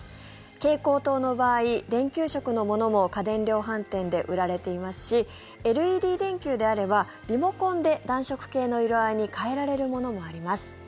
蛍光灯の場合、電球色のものも家電量販店で売られていますしＬＥＤ電球であればリモコンで暖色系の色合いに変えられるものもあります。